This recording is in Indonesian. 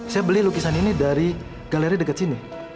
saya beli lukisan ini dari galeri dekat sini